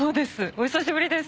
お久しぶりです。